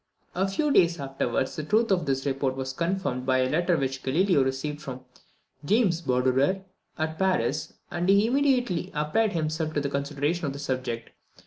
A few days afterwards, the truth of this report was confirmed by a letter which Galileo received from James Badorere at Paris, and he immediately applied himself to the consideration of the subject.